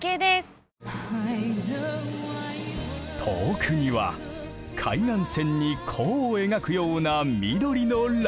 遠くには海岸線に弧を描くような緑のライン。